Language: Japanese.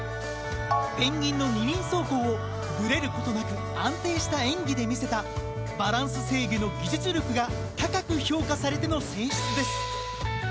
ペンギンの２輪走行をブレることなく安定した演技で見せたバランス制御の技術力が高く評価されての選出です。